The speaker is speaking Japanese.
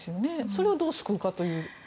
それをどう救うかという。